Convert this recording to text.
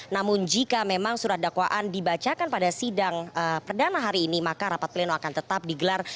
namun jika memang surat dakwaan dibacakan pada sidang perdana hari ini maka rapat pleno akan tetap digelar